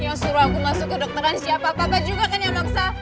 yang suruh aku masuk ke dokteran siapa apa juga kan yang maksa